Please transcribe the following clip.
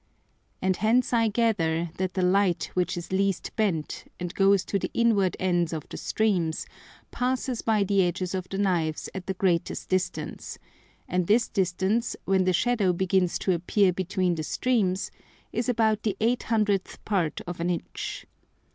And hence I gather that the Light which is least bent, and goes to the inward ends of the streams, passes by the edges of the Knives at the greatest distance, and this distance when the Shadow begins to appear between the streams, is about the 800th part of an Inch.